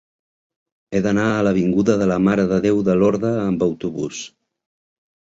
He d'anar a l'avinguda de la Mare de Déu de Lorda amb autobús.